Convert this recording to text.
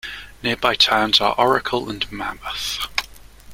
Nearby towns are Oracle and Mammoth.